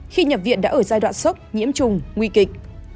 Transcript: khi nhập viện đã ở giai đoạn sốc nhiễm trùng nguy kịch